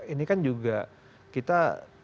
ini kan juga kita